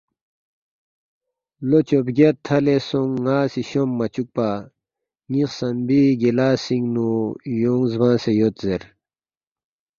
لو چوبگیاد تھالے سونگ ناسی شوم مچکوپا، نی خسمبی گلاسینگ نو یونگ زبانگسے یود زیر